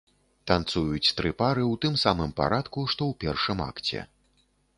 Танцуюць тры пары ў тым самым парадку, што ў першым акце.